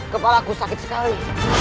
kepala aku sakit sekali